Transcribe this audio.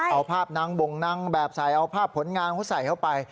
เอาภาพนางบ่งนางแบบใส่เอาภาพผลงานเขาใส่เข้าไป